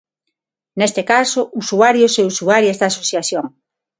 Neste caso, usuarios e usuarias da asociación.